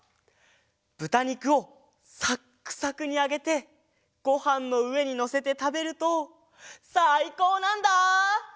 ぶたにくをサックサクにあげてごはんのうえにのせてたべるとさいこうなんだ！